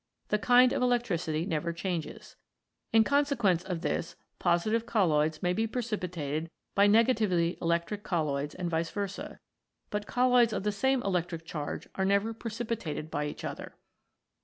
The kind of electricity never changes. In consequence of this positive colloids may be precipitated by negatively electric colloids and vice versa, but colloids of the same electric charge are never precipitated by each other.